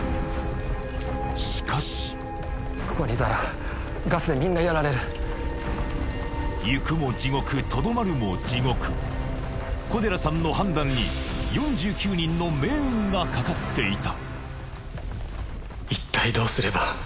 しかし行くも地獄とどまるも地獄小寺さんの判断にがかかっていた